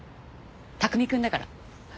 拓海くんだから。